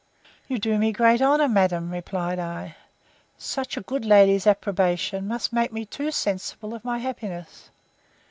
You do me great honour, madam, replied I. Such a good lady's approbation must make me too sensible of my happiness.